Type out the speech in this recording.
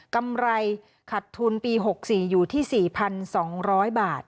กำไรขัดทุนปี๖๔อยู่ที่๔๒๐๐บาท